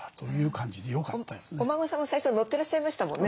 お孫さんも最初乗ってらっしゃいましたもんね。